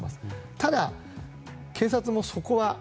ただ、警察もそこは。